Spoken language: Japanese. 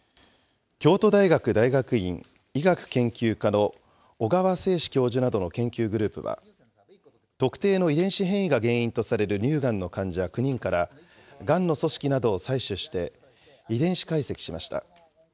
京都大学大学院医学研究科の小川誠司教授などの研究グループは、特定の遺伝子変異が原因とされる乳がんの患者９人から、がんの組織などを採取して、遺伝子解析しました。